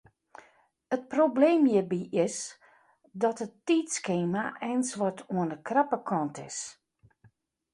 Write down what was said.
It probleem hjirby is dat it tiidskema eins wat oan de krappe kant is.